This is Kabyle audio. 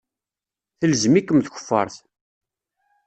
Telzem-ikem tkeffart.